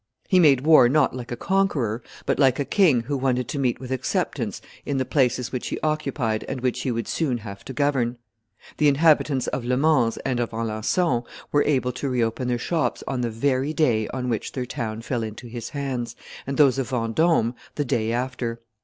He made war not like a conqueror, but like a king who wanted to meet with acceptance in the places which he occupied and which he would soon have to govern. The inhabitants of Le Mans and of Alencon were able to reopen their shops on the very day on which their town fell into his hands, and those of Vendome the day after.